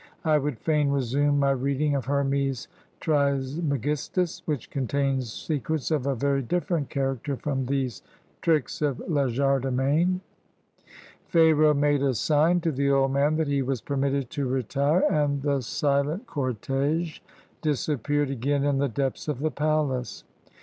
"I would fain resume my reading of Hermes Trismegistus, which contains secrets of a very different character from these tricks of legerdemain." Pharaoh made a sign to the old man that he was permitted to retire, and the silent cortege disappeared again in the depths of the palace.